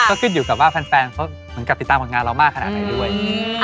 ก็ขึ้นอยู่กับว่าแฟนเขาเหมือนกับติดตามผลงานเรามากขนาดไหนด้วย